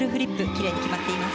きれいに決まっています。